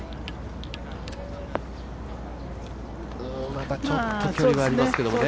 まだちょっと距離はありますけれどもね。